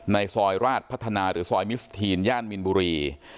ในซอยราชพัฒนาหรือซอยมิสทีนย่านมินบุรี